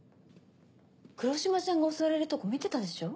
黒島ちゃんが襲われるとこ見てたでしょ？